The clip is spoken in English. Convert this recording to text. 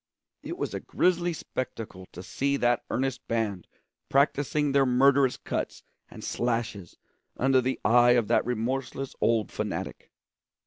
It was a grisly spectacle to see that earnest band practising their murderous cuts and slashes under the eye of that remorseless old fanatic.